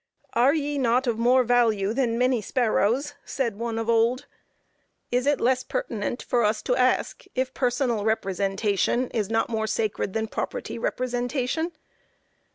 "Are ye not of more value than many sparrows?" said one of old. Is it less pertinent for us to ask if personal representation is not more sacred than property representation?